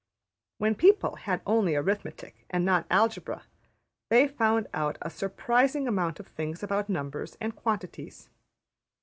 When people had only arithmetic and not algebra, they found out a surprising amount of things about numbers and quantities.